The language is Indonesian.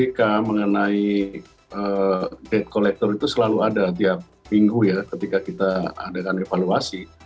ketika mengenai debt collector itu selalu ada tiap minggu ya ketika kita adakan evaluasi